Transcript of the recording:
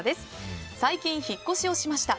最近、引っ越しをしました。